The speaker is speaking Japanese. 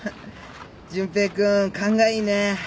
純平君勘がいいね。